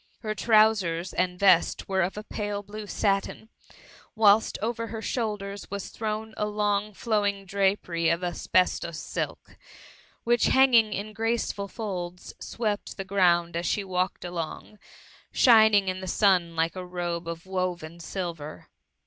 Her VOL. I. N • S66 THE MVMMT. trowsers and vest were of pale blue satin; whilst over her shoulders was thrown a long flowing drapery of asbestos silk, which hanging in graceful folds, swept the ground as she walked along, shining in the sun like a robe of woven silver.